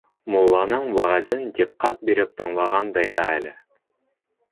Мулланың вәғәзен диҡҡәт биреп тыңлағандай ҙа әле.